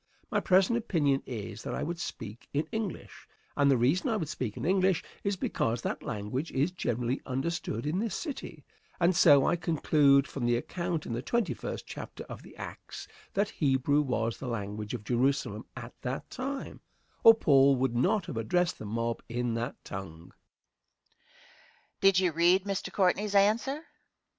My present opinion is that I would speak in English; and the reason I would speak in English is because that language is generally understood in this city, and so I conclude from the account in the twenty first chapter of the Acts that Hebrew was the language of Jerusalem at that time, or Paul would not have addressed the mob in that tongue. Question. Did you read Mr. Courtney's answer? Answer.